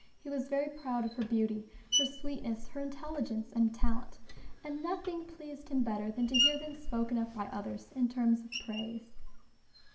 He was very proud of her beauty, her sweetness, her intelligence, and talent; and nothing pleased him better than to hear them spoken of by others in terms of praise.